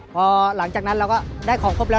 พอหลังจากนั้นเราก็ได้ของครบแล้ว